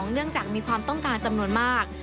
เนื่องจากมีความต้องการจำนวนมาก